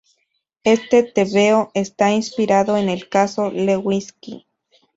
Este tebeo está inspirado en el caso Lewinsky.